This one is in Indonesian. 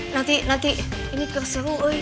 nanti nanti ini terseru